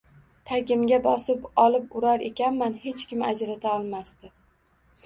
Tagimga bosib olib urar ekanman hech kim ajrata olmasdi